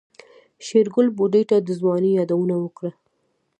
شېرګل بوډۍ ته د ځوانۍ يادونه وکړه.